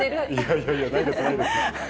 いやいや、ないです、ないです。